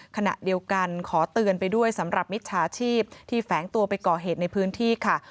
ขณะเดียวกันขอเตือนไปด้วยสำหรับมิจฉาชีพที่แฝงตัวไปก่อเหตุในพื้นที่ค่ะ